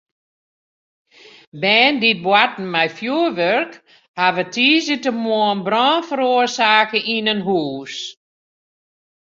Bern dy't boarten mei fjoerwurk hawwe tiisdeitemoarn brân feroarsake yn in hús.